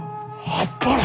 あっぱれ！